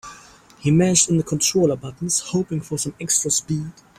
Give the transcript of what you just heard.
He mashed in the controller buttons, hoping for some extra speed.